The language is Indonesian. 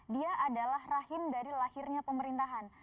dia adalah rahim dari lahirnya pemerintahan